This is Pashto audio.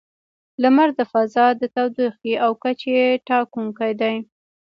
• لمر د فضا د تودوخې او کچې ټاکونکی دی.